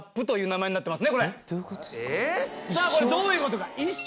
これどういうことか一生。